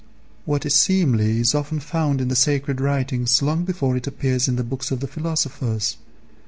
What is seemly is often found in the sacred writings long before it appears in the books of the philosophers.